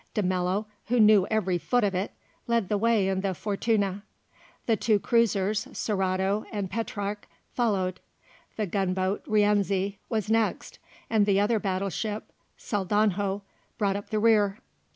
De Mello, who knew every foot of it, led the way in the Fortuna; the two cruisers, Sorato and Petrarch, followed; the gunboat Rienzi was next, and the other battleship, Saldanho, brought up the rear.